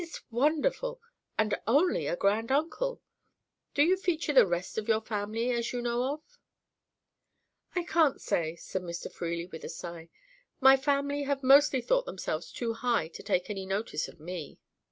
"It's wonderful! and only a grand uncle. Do you feature the rest of your family, as you know of?" "I can't say," said Mr. Freely, with a sigh. "My family have mostly thought themselves too high to take any notice of me."